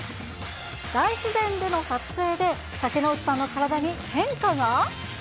大自然での撮影で、竹野内さんの体に変化が？